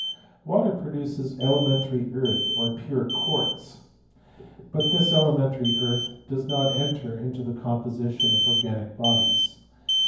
Water produces elementary earth, or pure quaitz ; "but this elementary earth does not enter into the com position of organic bodies.